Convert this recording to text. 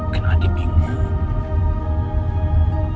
kena adik bingung